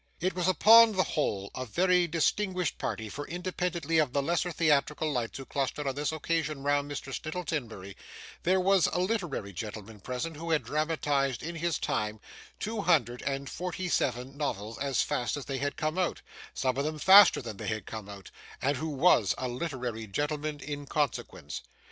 It was upon the whole a very distinguished party, for independently of the lesser theatrical lights who clustered on this occasion round Mr. Snittle Timberry, there was a literary gentleman present who had dramatised in his time two hundred and forty seven novels as fast as they had come out some of them faster than they had come out and who WAS a literary gentleman in consequence.